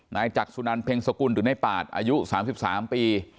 นายจักรสุนันเพ็งสกุลอยู่ในปาดอายุ๓๓ปี